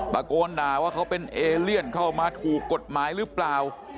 ตะโกนด่าว่าเขาเป็นเอเลียนเข้ามาถูกกฎหมายหรือเปล่า